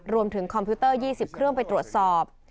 คอมพิวเตอร์๒๐เครื่องไปตรวจสอบ